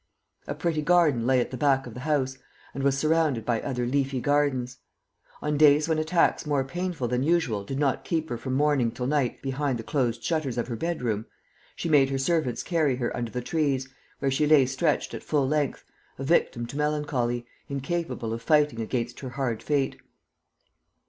A pretty garden lay at the back of the house and was surrounded by other leafy gardens. On days when attacks more painful than usual did not keep her from morning till night behind the closed shutters of her bedroom, she made her servants carry her under the trees, where she lay stretched at full length, a victim to melancholy, incapable of fighting against her hard fate.